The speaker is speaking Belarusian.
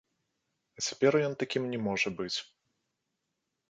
А цяпер ён такім не можа быць.